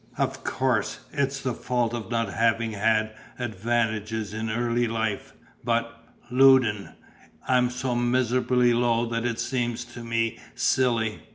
Of course, it's the fault of not having had advantages in early life; but, Loudon, I'm so miserably low that it seems to me silly.